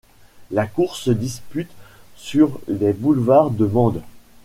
La course se dispute sur les boulevards de Mende.